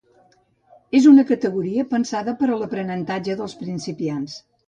És una categoria pensada per a l'aprenentatge dels principiants.